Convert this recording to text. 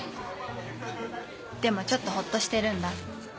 でもちょっとほっとしてるんだ。